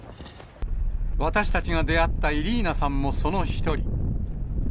私たちが出会ったイリーナさんもその一人。